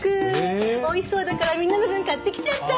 おいしそうだからみんなの分買ってきちゃった。